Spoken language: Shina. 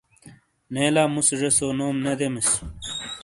نے لا مُوسے زیسو نوم نے دیمِیس۔